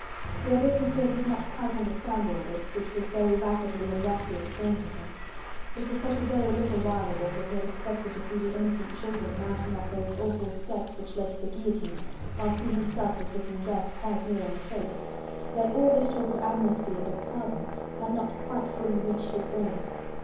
The Abbe Foucquet did not quite understand all this, which was very rapidly and roughly explained to him. It was such a very little while ago that he had expected to see the innocent children mounting up those awful steps which lead to the guillotine, whilst he himself was looking death quite near in the face, that all this talk of amnesty and of pardon had not quite fully reached his brain.